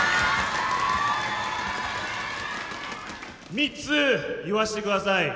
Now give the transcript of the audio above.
３つ言わせてください